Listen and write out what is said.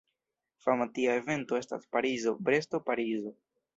Fama tia evento estas Parizo-Bresto-Parizo.